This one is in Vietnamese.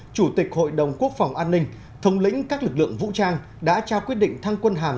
chủ tịch hội đồng quốc phòng an ninh thống lĩnh các lực lượng vũ trang đã trao quyết định thăng quân hàm